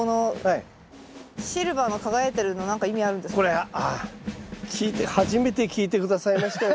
これああ初めて聞いて下さいましたよ